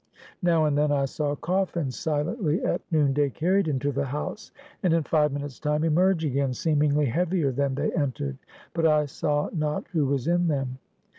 Now and then, I saw coffins silently at noon day carried into the house, and in five minutes' time emerge again, seemingly heavier than they entered; but I saw not who was in them.